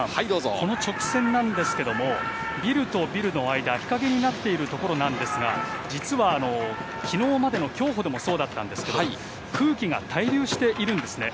この直線なんですけども、ビルとビルの間、日陰になっている所なんですが、実は、きのうまでの競歩でもそうだったんですけど、空気が滞留しているんですね。